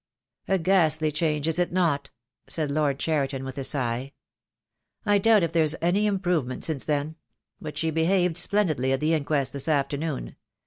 "A ghastly change, is it not?" said Lord Cheriton, with a sigh. "I doubt if there is any improvement since then; but she behaved splendidly at the inquest this afternoon.